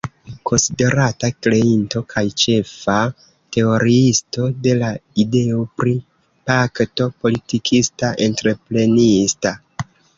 Konsiderata kreinto kaj ĉefa teoriisto de la ideo pri pakto politikista-entreprenista.